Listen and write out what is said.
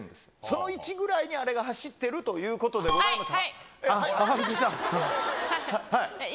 その位置ぐらいにあれが走ってるということでございます。